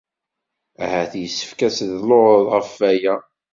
Ahat yessefk ad tedluḍ ɣef waya.